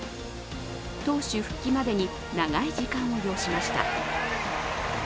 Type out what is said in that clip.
投手復帰までに長い時間を要しました。